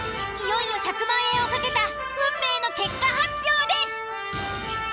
いよいよ１００万円を懸けた運命の結果発表です！